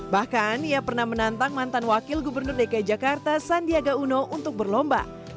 bahkan ia pernah menantang mantan wakil gubernur dki jakarta sandiaga uno untuk berlomba